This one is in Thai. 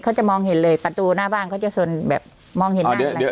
เขาจะมองหินเลยประตูหน้าบ้างเขาจะโซนแบบมองหินน่า